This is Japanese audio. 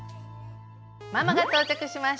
ママが到着しました。